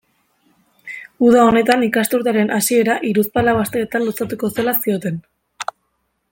Uda honetan ikasturtearen hasiera hiruzpalau asteetan luzatuko zela zioten.